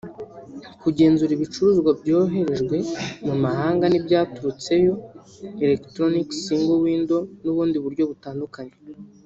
kugenzura ibicuruzwa byoherejwe mu mahanga n’ibyaturutseyo (Electronic Single Window) n’ubundi buryo butandukanye